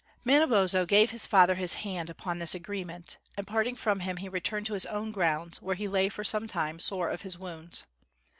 Manabozho gave his father his hand upon this agreement. And parting from him, he returned to his own grounds, where he lay for some time sore of his wounds.